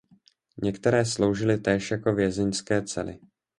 Některé sloužily též jako vězeňské cely.